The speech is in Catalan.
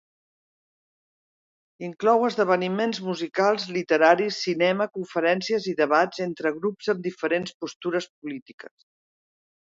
Inclou esdeveniments musicals, literaris, cinema, conferències i debats entre grups amb diferents postures polítiques.